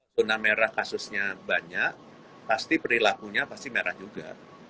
zona merah kasusnya banyak pasti perilakunya pasti merah juga